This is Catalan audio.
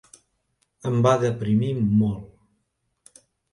Em va deprimir molt.